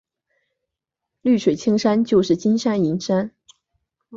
绿水青山就是金山银山